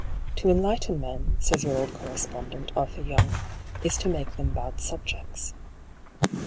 ff To enlighten men," says your old correspondent, Arthur Young, " is to make them bad subjects."